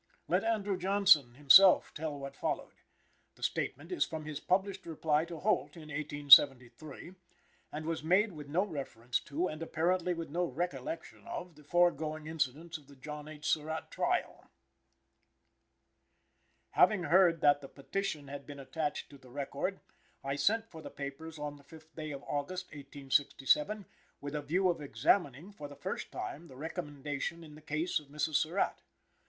Let Andrew Johnson himself tell what followed. The statement is from his published reply to Holt in 1873, and was made with no reference to, and apparently with no recollection of, the foregoing incidents of the John H. Surratt trial: "Having heard that the petition had been attached to the record, I sent for the papers on the 5th day of August, 1867, with a view of examining, for the first time, the recommendation in the case of Mrs. Surratt.